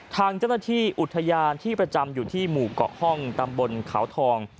ทางเจ้าหน้าที่อุทยานที่ประจำอยู่ที่หมู่เกาะห้องตำบลเขาทอง